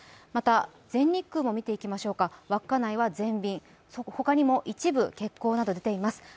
また、全日空も見ていきましょう、稚内は全便、他にも一部、結構など出ています。